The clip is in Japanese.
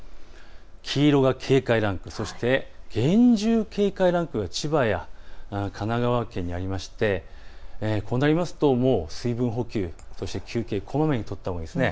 黄色は警戒ランク、そして厳重警戒ランクが千葉や神奈川県にありましてこうなりますと水分補給、そして休憩、こまめにとったほうがいいですね。